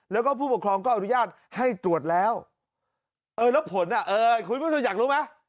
แล้วก็ผู้ปกครองก็อนุญาตให้ตรวจแล้วเออแล้วผลอ่ะเอ้ยคุณผู้ชมอยากรู้ไหม